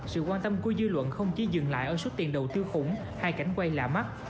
sự quan tâm của dư luận không chỉ dừng lại ở số tiền đầu tư khủng hay cảnh quay lạ mắt